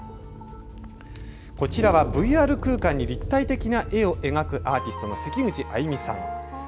こちらはＶＲ空間に立体的な絵を描くアーティストのせきぐちあいみさんです。